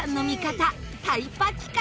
タイパ企画。